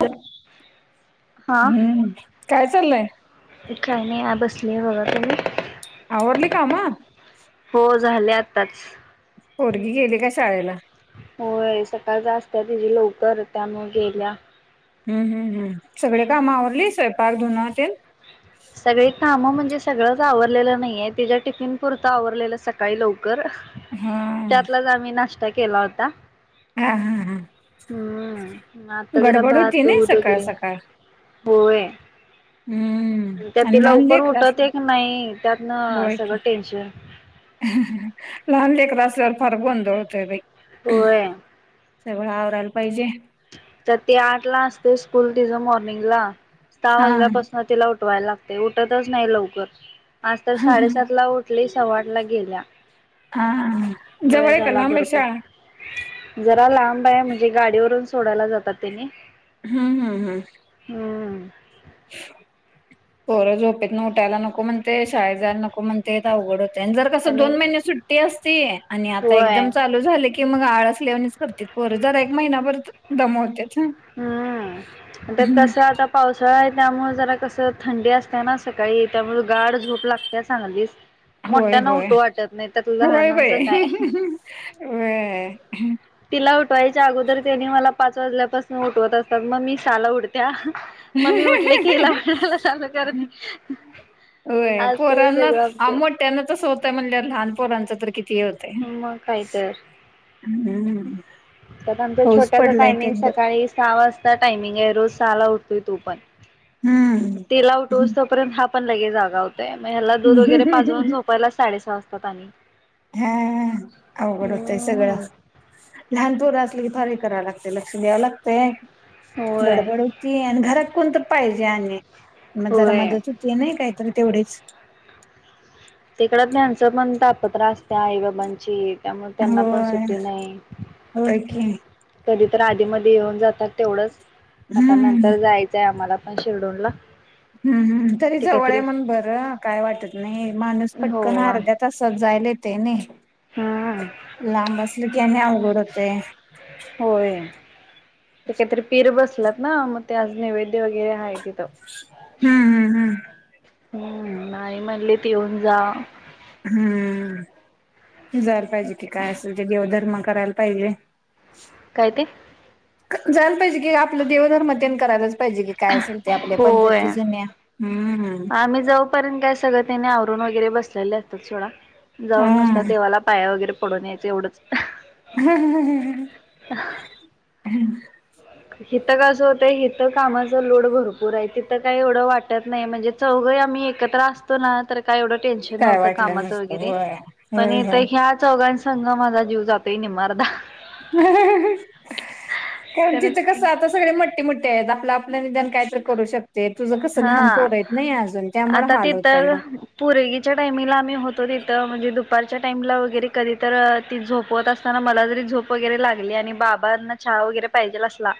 तर. हम्म काय चाललंय? एक काही नाही या बसले बघा. आवरली कामं. हो झाले आत्ताच. पोरगी गेली का शाळेला? हो सकाळ असत्यात ह्येनी लवकर त्यामुळे गेल्या हम्म हम् हम सगळी काम आवरली स्वयंपाक, धुण तेन सगळी काम म्हणजे सगळंच आवरलेलं नाहीये तिच्या टिफीन पुरतं आवरलेलं सकाळी लवकर. हा त्यातलाच आम्ही नाश्ता केला होता. हा हा हां हम्म आता जरा भात होती ना दूध सकाळ वगैरे सकाळ होय. हम्म त्या त आणि लहान लवकर लेकरं उठत असलं आहे एक नाहीत त्यातन सगळं टेन्शन. लहानलेकर असल्यावर फार गोंधळ होतंय बाई. होय सगळं आवरायला पाहिजे. तर ते आठ ला असते स्कूल तिचं मॉर्निंगला सहा हा वाजल्यापासूनच तिला उठवायला लागते उठतच नाही लवकर. आज तर हा साडेसातला उठली सव्वा आठला गेलीया. हा जवळ वेळ आहे का झाला लांब आहे भरपूर. शाळा जरा लांब आहे म्हणजे गाडीवरून सोडायला जातात नी. हम् हम् हम्म हम्म पोरं झोपेतन उठायला नको म्हणते, शाळेत जायला नको म्हणतेे अवघड जर कस आणि दोन महिने सुट्टी असते आणि आता होय एकदम चालू. चालू झालं की मग आळसल्यावानीच करतात पोरं जरा एक महिनाभर दमावतात ना. हम्म त्यात तसं आता पावसाळा आहे त्यामुळे जरा कसं थंडी असते ना सकाळी त्यामुळं गाड झोप लागते चांगलीच. होय मोठ्यांना होय उठू वाटत नाही तर होय बाई लहानांचं काय. व्हय. तिला उठवायच्या अगोदर त्यांनी मला पाच वाजल्यापासून उठवत असतात मग मी सहाला उठत्या. मग मी उठले की हीला म्हणाला चालू करते. होय आज तुझं पोरांना सगळं आ आमचं. मोठ्यानाच होतं म्हणजे लहान पोरांच तर किती होत. मग काय तर. हम्म हम्म हम्म. तर आमचा छोट्याच टायमिंग सकाळी सहा वाजता टायमिंग आहे रोज सहाला उठतोय तो पण. हम्म तिला उठसतोपर्यंत हा पण लगे जागा होताय मग ह्याला दूध वगैरे पाजवून झोप मला साडेसहा वाजता जाग येते. हां आवघड होतंय. सगळं हम्म लहानपोर असलं की फार हे कराव लागते लक्ष द्याव लागतेय. होय गडबड होती आणि घरात कोण तर पाहिजे आणि मग जरा होय. मदत होत ते नाही कायतरी तेवढेच. तिकड त्यांचं पण तापत्र असत आई बाबांची त्यामुळे त्यांना पण होय सुट्टी नाही. होय की. कधी तर आधी मधी येऊन जातात तेवढंच आता हम्म नंतर जायचंय आम्हाला पण शिरडोनला. हम्म तरी जवळ आहे म्हणून बरं काय वाटत नाही माणूस हो पटकन अर्ध्यात तसच जायले ते नाही. हम्म लांब असलकने आवघड होतय. होय ते काहीतरी पीर बसलात ना मग ते आज नैवेद्य वगैरे आहेत. हम्म हम्म हम्म आई म्हणली ते येऊन जा. हम्म जायला पाहिजे कि काय असेल ते देवधर्म करायला पाहिजे. [inaudible] काय ते जायला पाहिजे की आपलं देवधर्म तेन करायलाच पाहिजे की. काय असेल ते आपल्या होय पद्धती जुन्या हम्म. आम्ही जाऊ र्यंत काय सगळं त्यांने आवरूण वगैरे बसलेले असतात थोडा जाऊ नुसत हा देवाला पाया वगैरे पडून यायचं एवढंच. [inaudible] इिथं कसं होतंय हिथं कामाच लोड भरपूर आहे तिथं काही एवढं वाटत नाही म्हणजे चौघही आम्ही एकत्र असतो ना तर काय एवढं टेन्शन काय नव्हत वाटलं कामाचं नसतं वगैरे होय पण होय इथ होय. या चौघांच वगैरे संग माझा जीव जातोय नि आर्ध कारण खरंच तिथं कस? की. ता सगळे मोट्टठी मोठठीे आहेत आपलं आपलं निदान काय तर करू शकतो. ते तुझं कसं लहान हा पोर यत नाही अजून त्यामुळे हाल होतय मग पुरेगीच्या टाईमला आम्ही होतो तिथं म्हणजे दुपारच्या टाईमला वगैरे कधी तर ती झोपवत असतो. असताना मला जरी झोप वगैरे लागली आणि बाबांना छहा वगैरे पाहिजेल असला.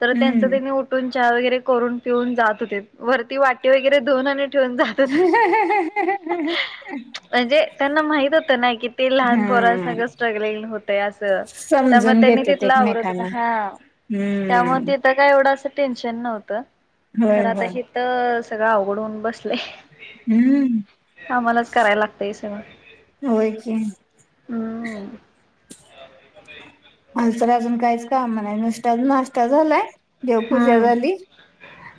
तर त्यांचं हम्म. त्यांनी उठून चहा वगैरे करून पिऊन जात. वरती वाटे वगैरे दोनने ठेवूनात. हा हा हा. म्हणजे त्यांना माहित होतं ना कि ते लहान हम्म पोरांसग स्ट्रगलिंग होत असं त्यामुळे समजून त्यांनी घेतेत तिथला आवरत एकमेकांना. हा. हम्म. त्यामुळे तिथं काय एवढं असं टेन्शन नव्हतं. होय खरात होय हे तर सगळं अवघडून बसलेय. हम्म आम्हालाच करायला लागतय सगळं. होय क. हम्म अ तरर अजून काहीच काम नाही नुसता नाश्ता झालाय. देव पूजा हम्म झाली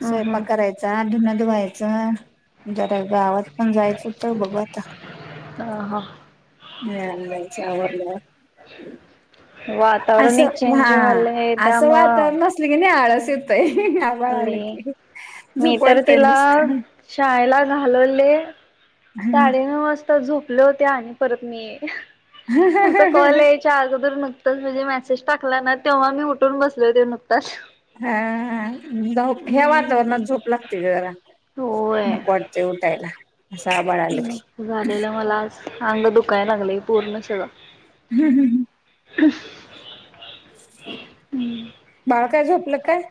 हम्म हम्म स्वयंपाक करायचा धुन धुवायच. जरा गावात पण जायचं तर बघ आता आ ह. हम चवला. वातावरण एक असं हा चेंज व्हालय असं वाात त्यामुळं नस. ंग आळस येतय. लय लागे ज मी तर पडतय तिला नुसत. शाळेला घालवले साडेनऊ वाजता झोपल्या होत्या आणि परत मी तुमचं कॉलेज अगोदर नुकताच म्हणजे मेसेज टाकला ना तेव्हा मी उठून बसलो हो ते नुकताच. हह ह्या हम्म वातावरणात झोप लागतार होय. न कोट. ते ऊट आहेला साबाळा आल. झालेलं मलाज अंग दुखायला लागले पूर्ण सगळं. हम हं ह. ह. बाळ काय झोपलं काय?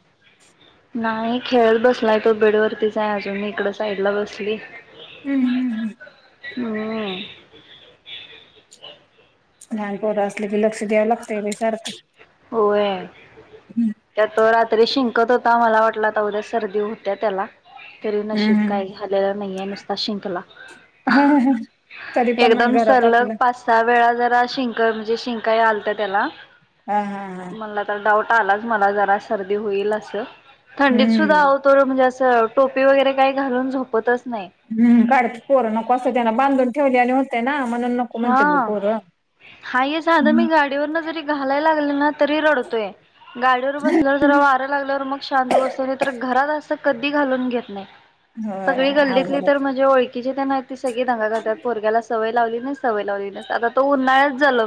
नाही खेळत बसलाय तो बीड वरतीच आहे अजून इकड साईड ला बसली. हम्म हम्म हम्. मण लानपोर असलं की लक्ष द्यावं लागतंय बा सारखं. होय हम्म त्या तो रात्री शिंकत हो. ता मला वाटलं आता उद्या सर्दी हुतिया त्याला. तरी नशीब काही झालेलं नाहीये नुसता शिंकला. हम्म तरी पण एकदम घरात सलग आपलं पाच सहा वेळा जरा शिंक म्हणजे शिंकाई आलत त्याला हा हा. हा मला तर डाऊट आलाच मला जरा सर्दी होईल असं थंडीत सुद्धा हम्म आत तो म्हणजे असं टोपी वगैरे काही घालून झोपतच नाही. ह काढत कोर न कसं त्यांना बांधून ठेवलेले होते ना म्हणून नको हा म्हणतात ग पोरं हा आहे साध मी गाडीवरन जरी घालायला लागले ना. तोय गाडीवर बसल्या ज वार्या लागल्यावर शांत बसत घात अस. घालून घेत नाही. होय सगळी गल्लीतली अवघड तर म्हणजे ळखीची त्यांना ती सगळी धंगा करतात पोरग्याला सवय लावली नाही. सव लाव आता तो उन्हाळ्यात झाल.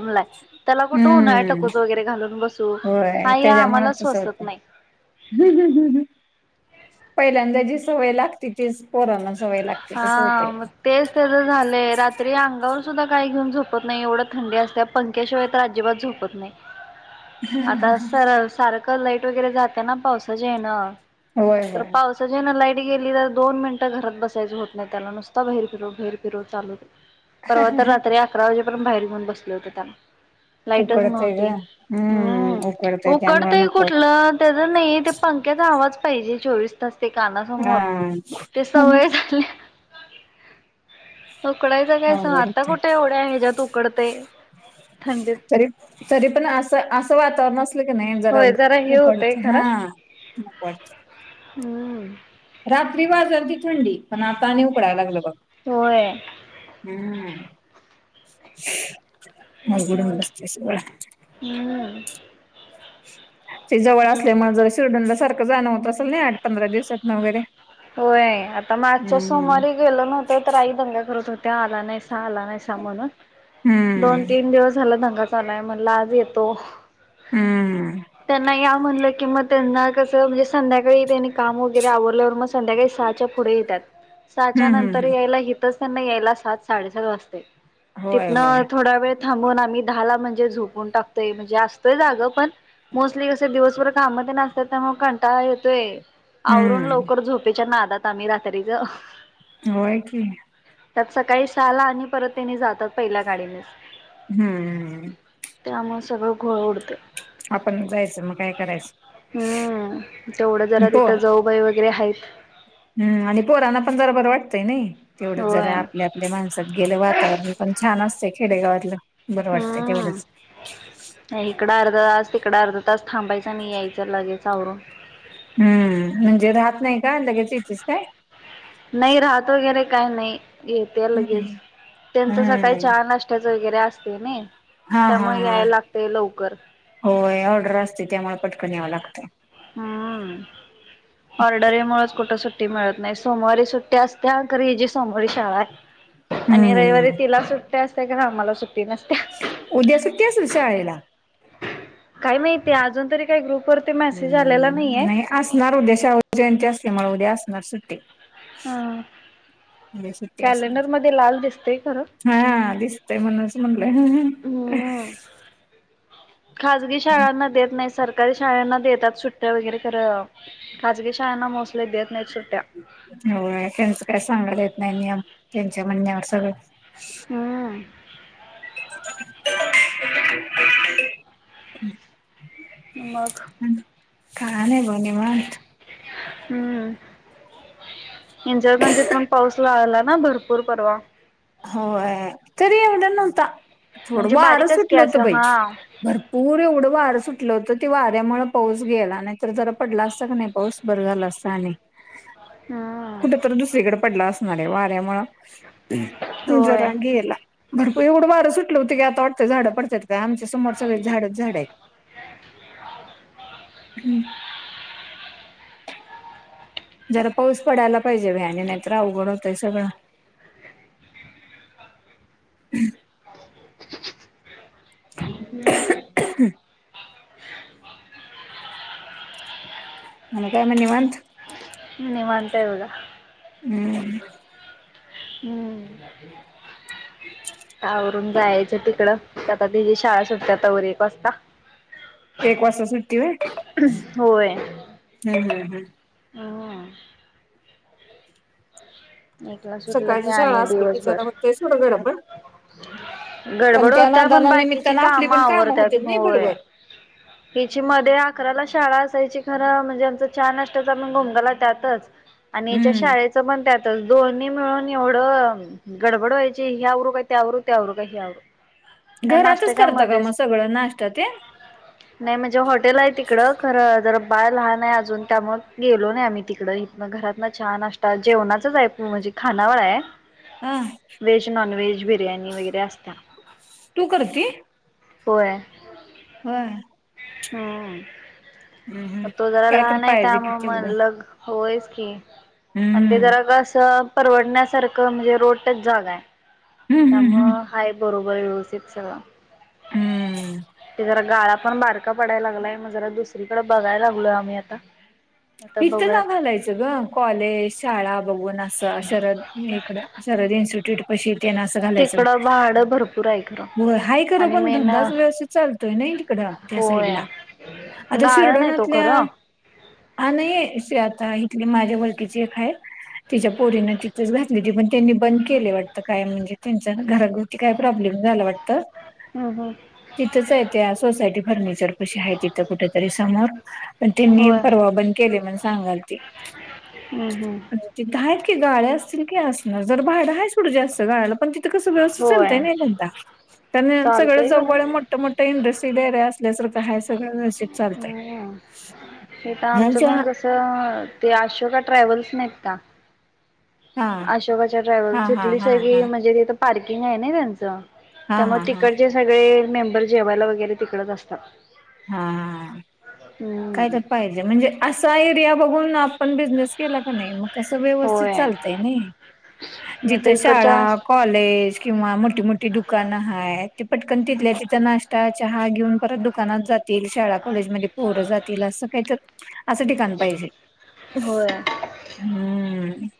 त्याला कुठे उन्हाळ हम्म टकोच वगैरे घालून बसू होय हा या त्याच्यामुळे तसं आम्हालाचवसत होतंय नाही. पहिल्यांदा जी सवय लागते. तिथेच पोरांना सवय लागते तसं हा होतंय. मग तेच त्याचं झालंय रात्री अंगावर सुद्धा काय घेऊन झोपत नाही एवढं थंडी असत्या. पक्याशिवाय तर अजिबात झोपत नाही. आता सर सारखं लाईट वगैरे जाते ना पावसाचे येणं होय तर होय पाव सजेन लाईट गेली तर दोन मिनिटं घरात बसायच होत नाही त्याला नुसता ब बाहेर फिरू बाहेर फिरव चालू. परवा तर रात्री अकरा वाजेपर्यंत बाहेर येऊन बसले होते त्याला लाईटच उकडतंय नव्हती. ग हम्म उकडतंय त्यामुळे उकडतय नको कुठलं त्याच नाही ते पं क्याचा आवाज पाहिजे चोवीस तास ते हा कानासमोर ते सवय झाल्या. उकडायचं काय स अवघड आता होतंय कुठे एवढे आहे ह्याच्या्यात उकडते थंडीत तरी तरी पण असं असं वातावरण का नाहीन जरा होय हे होतंय हऊकडते खरं. हाते. हम्म. रात्री बाजल त थंडी पण आता आणि उकडायला लागलं बघ. होोय. हम् मगड नडस्त सळा. हम्म. ते जवळ असल्यामुळे जर शिर्डनला सारखं जाणं होत असल ना आठं पंधरा दिवसातं वगैरे होय आता मागच्या हम्म सोमारी गेल नव्हतं तर आई दंगा करत होते आला नाहीस. आला नाहीशा म्हणून दोन हम्म तीन दिवस झाला धंगा चालाय म्हणला आज येतो. हम्म त्यांना या म्हणलं की मग त्यांना कस म्हणजे संध्याकाळी त्यांनी काम ल्या [unintelligible] मग संध्याकाळी सहाच्या पुढ येतात सहाच्या हम्म नंतर हम्म यायला. त्यां यायला सात साडेसात वाजतय होय तिथन होय थोडा वेळ. थांबून आम्ही दहाला म्हणजे झोपून टाकतोय म्हणजे असतोय जागं पण मोस्टली कस दिवसभर कामत नसतात तर मग कंटाळा येतोय. आवरून हम्म लवकर झोपेच्या नादात आम्ही रात्रीच होय की त्यात सकाळी सहाला आणि परत त्यांनी जातात पहिल्या गाडीनेच हम्म. ते आम्हाला सगळं घोळ उडतय. आपण जायचं मग काय करायचं? हम्म तेवढं जरा पोर तिथं जाऊबाई वगैरे आहेत. हम्म आणि पोरांना पण बरोबर वाटतंय नाही. तेवढं होय. जरा आपल्या आपल्या माणसात गेलं वातावरण पण छान असत खेडेगावातलं. बरं वाटतं तेवढंच इकं अर्धा तास तिकड अर्ध तास थांबायचा नाही यायचं लगेच आवरून हम्म म्हणजे राहत नाही का लगेच येतेच काय? नाही राहत वगैरे काय नाही येतय लगेच हम्म त्यांचं सकाळी हम्म चहा नाष्ट््याच वगैरे असते ना हा हा त्यामुळे हा यायला लागते लवकर. होय ऑर्डर असते त्यामुळे पटकन यावं लागतं. हम्म ऑर्डर यामुच कुठ सुट्टी मिळत नाही. सोमवारी सुट्टी असत अ घ ह जी सोमवारी शाळा आहे आणि हम्म रविवारी तिला सुट्ट सुट असते का आम्हाला सुट्टी नसत्या. उद्या सुट्या शाळेला. काही माहिती अजून तरी काही ग्रुपवररती मेसेज आलेला हम्म नाहीये. नाही असणार उद्या शाहू जयंती असते म उद्या असणार सुट्टी हा उद्या सुट्टी असणार कॅलेंडर मध्ये लाल दिसतय खरं. हा दिसतय म्हणच म्हटलं. हम्म खाजगी शाळांना देत नाही सर सरकारी [unintelligible] शाळांना देतात सुट्ट्या वगैरे ख खाजगी शाळांना मोस्टली देत नाहीत सुट्ट्या हो त्यांच काय सांगाला येत नाही नियम त्यांच्या म्हणण्यावर सगळं. हम्म. [unintelligible] मग का नाही ब निवांत हम्म इचलकरंजीत पण पाऊस ला आला ना भर पूर परवा होय तरी एवढं नव्हता थोडं म्हणजे वार बारीकच की सुटल होतं असं बाई हा भरपूर एवढं वार सुटलं होतं ती वाऱ्यामुळे पाऊस गेला नाहीत जरा पडला असता क नाही पाऊस बरं झालं असतं आणि हम्म कुठ तरी दुसरीकडे पडला असणारे वाऱ्यामूळ होय जरा गेला भरपूर एवढं वार सुटल होत आता वाटतेय झाड पडत्यात आमच्या समोर सगळे झाडच झाड आहेत जरा पाऊस पडायला पाहिजे बाई आणि नाहीतर अवघड होतंय सगळं ह [inaudible] आणि काय मग निवांत निवांत हाय बघा हम्म हम्म [unintelligible] आवरून जायचं तिकड आता तिची शाळा सुट्तीया तवर एक वाजता एक वाजता सुट्टी होय हम, हम, हम ह एकला सुटलं की सकाळची शाळा आणि असली की जरा दिवसभर होतंय सोड गडबड पण गडबड त्या होत्या पण नादना बाकीची निमित्तान आपली पण कामं आवरत्यात होती नाही होय बरोबर हिची मध्ये अकराला शाळा असायची खरं म्हणजे आमचं चहा, नास्ता असतच पण घोमगाला त्यातच आणि हीच्या हम्म शाळेचं पण त्यातच दोन्ही मिळून एवढं गडबड व्हायची हे आवरू का ते आवरू ते आवर का हे आवरू नाही घरातच नाश्त्याच्या करता का म मध्येच सगळं नाश्त ते नाही म्हणजे हॉटेल आहे तिकडं खरं जर बाळ लहान आहे अजून त्यामुळ गेलो नाही आम्ही तिकडं, इकडं घरातन चहा नाष्टा जेवणा इथच म्हणजे खानावळ आहे हा व्हेज, नॉन व्हेज बिर्याणी वगैरे असत्या तू करती? होय ह हम्म हम्म मग तो जरा काय तर लहान आहे पाहिजे कि त्यामुळं तेवढं म्हणलं लग होयच की आणि ते हम्म जरा ग असं परवडण्यासारखं म्हणजे रोडटच जागा आहे हम्म तम हम्म हम्म हाई बरोबर व्यवस्थित सगळ. हम्म क जरा गाळा पण बारका पडाय लागलाय मग जरा दुसरीकडें बघाय लागलो आम्ही आता आता इथथं ना बघूयात घालायचं ग. कॉलेज शाळा बघून न अस शरद इकड शरद इन्स्टिट्यूट पशी ते न घालायच तिकडं भाडं भरपूर आहे खरं हा ख आणि पण मेन धंदाच व्यवस्थित चालत य नाही तिकड त्या साईड होय ला आता गाळा नाही तो शिर्डणातल्या खरं हा नाही आता इथली माझ्या वळखीची आहे तिच्या पोरीन तिथंच घात ददी पण त्यांनी बंद केले वाटतं काय म्हणजे त्यांचा घराभोवती काय प्रॉब्लेम झाला वाटत. हम् हम्. तिथंच आहे ते सोसायटी फर्निचर कशी आहे तिथं कुठेतरी समोर पण त्यांनी होय केण सांगाल ते हम्म हम्म तिथं आहेत की गाळ्या असतील की असणार जर भाडं आहे सोडं जास्त गाळ्याला पण तिथ तिथं कस सगळंच चालतंय होय नई धंदा सगळं चालतंय खरं जवळ मोठं, मोठं इंडस्ट्रील एरिया असल्या सारख काय सगळं व्यवस्थित चालतंय इथ आमचं ह्यांच्या पण कसं ते अशोका ट्रॅव्हल्स नाहीत का हा अशोकाच्या ट्रॅव्हल् हा हा तथली हा सग हा म्हणजे तिथं पार्किंग आहे ना त्यांचं हा हा त्यामुळे हा तिकडचे सगळे मेंबर जेवायला वगैरे तिकडच असतात. हा हा काय हम्म तर पाहिजे म्हणजे असा एरिया बघून आपण बिझनेस केला का नाही मग कस व्यवस्थित होय चालतय नि नाही जिथ तर शाळा इकडच्या कॉलेज किंवा मोठी मोठी दुकानं आहेत ती पटकन तिथल्या तिथ नाश्ता चहा घेऊन परत दुकानात जात शाळा कॉलेज होरं जातील असं काहीत असं ठिकाण पाहिजे. होय. हम्म.